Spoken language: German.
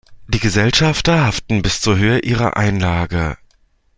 Die Gesellschafter haften bis zur Höhe ihrer Einlage.